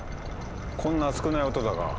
こんな少ない音だが。